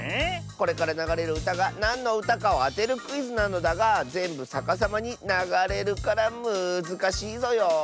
これからながれるうたがなんのうたかをあてるクイズなのだがぜんぶさかさまにながれるからむずかしいぞよ。